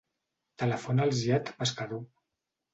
Telefona al Ziad Pescador.